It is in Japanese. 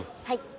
はい。